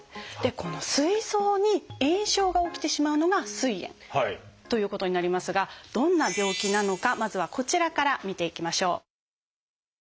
このすい臓に炎症が起きてしまうのがすい炎ということになりますがどんな病気なのかまずはこちらから見ていきましょう。